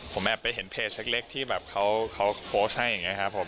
ผมแอบไปเห็นเพจเล็กที่แบบเขาโพสต์ให้อย่างนี้ครับผม